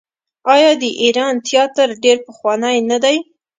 آیا د ایران تیاتر ډیر پخوانی نه دی؟